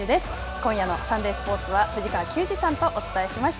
今夜のサンデースポーツは藤川球児さんとお伝えしました。